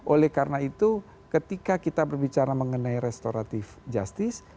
oleh karena itu ketika kita berbicara mengenai restoratif justice